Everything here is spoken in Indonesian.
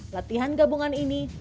latihan gabungan ini berhasil